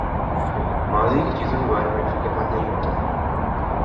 ماضی کی چیزوں کے بارے میں فکر مند نہیں ہوتا